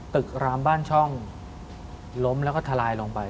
รามบ้านช่องล้มแล้วก็ทลายลงไป